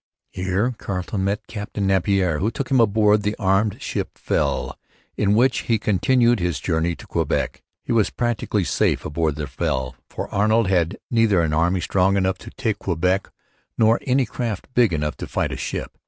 Here Carleton met Captain Napier, who took him aboard the armed ship Fell, in which he continued his journey to Quebec. He was practically safe aboard the Fell; for Arnold had neither an army strong enough to take Quebec nor any craft big enough to fight a ship.